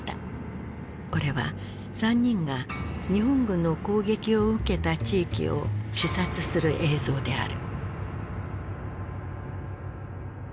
これは３人が日本軍の攻撃を受けた地域を視察する映像である。